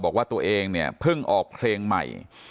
บอกว่าตัวเองเนี่ยเพิ่งออกเพลงใหม่